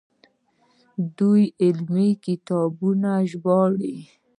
دوی علمي کتابونه ژباړي.